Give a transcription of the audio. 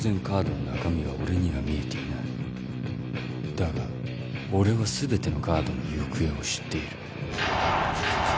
だが俺は全てのカードの行方を知っている。